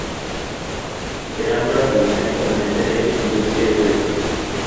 Integrando la Comisión Permanente de Industria y Agricultura.